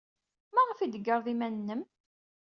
Maɣef ay d-teggared iman-nnem?